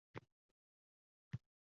Ering axir… Uvol-ku, uvol!